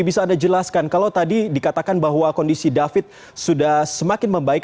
bisa anda jelaskan kalau tadi dikatakan bahwa kondisi david sudah semakin membaik